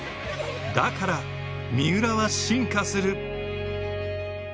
だから、三浦は進化する。